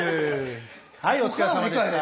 はいお疲れさまでした。